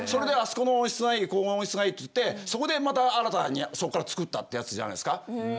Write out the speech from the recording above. ここの温質がいいって言ってそこでまた新たなそこからつくったってやつじゃないですか。